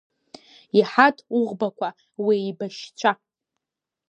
Иҳаҭ уӷбақәа, уеибашьцәа…